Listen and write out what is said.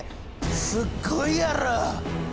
すっごいやろ！